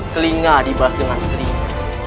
kelinga dibalas dengan kelinga